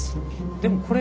でもこれ。